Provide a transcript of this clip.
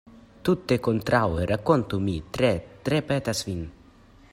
Tute kontraŭe; rakontu, mi tre, tre petas vin.